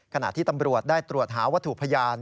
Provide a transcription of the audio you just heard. ขณะที่ตำรวจได้ตรวจหาวัตถุพยาน